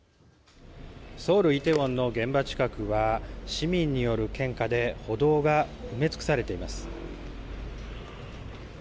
ソウルイテウォンの現場近くは市民による献花で歩道が埋めつくされています。